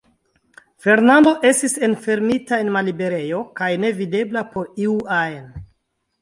Fernando estis enfermita en malliberejo, kaj nevidebla por iu ajn.